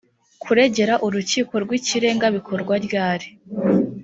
kuregera urukiko rw’ikirenga bikorwa ryari?